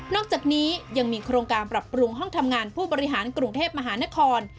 อกจากนี้ยังมีโครงการปรับปรุงห้องทำงานผู้บริหารกรุงเทพมหานคร